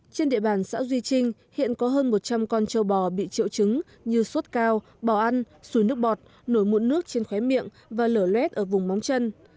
trên địa bàn xã duy trinh hiện có hơn một trăm linh con trâu bò bị triệu chứng như suốt cao bò ăn xùi nước bọt nổi muộn nước trên khóe miệng và lở lét ở vùng móng chân